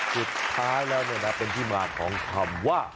สุดท้ายแล้วเป็นที่มาของคำว่า